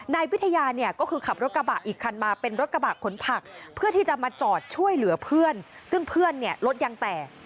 นายวิทยาเนี่ยก็คือขับรถกระบะอีกคันมาเป็นรถกระบะขนผักเพื่อที่จะมาจอดช่วยเหลือเพื่อนซึ่งเพื่อนเนี่ยรถยังแตก